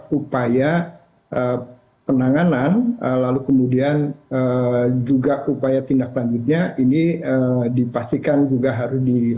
lalu kemudian dari sisi kami misalnya memastikan bahwa upaya penanganan lalu kemudian juga upaya tindak lanjutnya ini dipastikan juga harus dilaksanakan